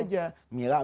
yaudah zikir aja